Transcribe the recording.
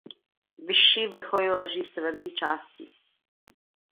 Vyšší vrcholy leží v severní části.